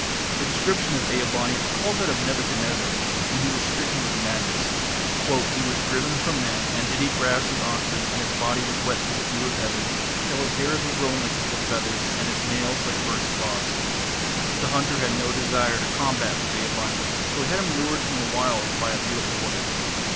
The description of Ea bani recalls that of Nebuchadnezzar when he was stricken with madness. "He was driven from men, and did eat grass as oxen, and his body was wet with the dew of heaven, till his hairs were grown like eagles' feathers, and his nails like birds' claws." The hunter had no desire to combat with Ea bani, so he had him lured from the wilds by a beautiful woman.